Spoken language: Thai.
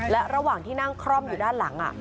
และระหว่างที่นั่งคล่อมอยู่ด้านหลัง